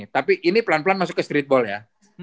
tapi ini pelan pelan masuk ke streetball ya